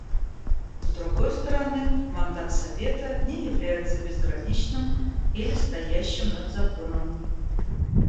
С другой стороны, мандат Совета не является безграничным или стоящим над законом.